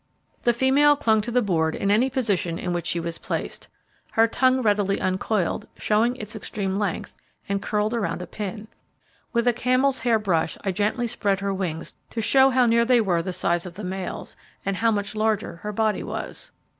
The female clung to the board, in any position in which she was placed. Her tongue readily uncoiled, showing its extreme length, and curled around a pin. With a camel'shair brush I gently spread her wings to show how near they were the size of the male's, and how much larger her body was.